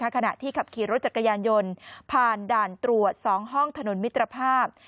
ขณะที่ขับขี่รถจักรยานยนต์ผ่านด่านตรวจ๒ห้องถนนมิตรภาพ